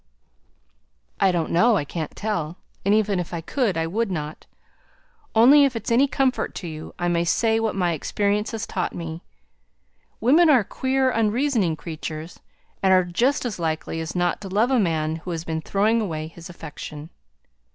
"I don't know. I can't tell. And even if I could, I wouldn't. Only if it's any comfort to you, I may say what my experience has taught me. Women are queer, unreasoning creatures, and are just as likely as not to love a man who has been throwing away his affection."